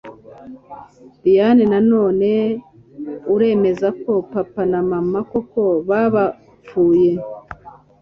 Diane Nonese uremezako Papa na Mama koko kobapfuye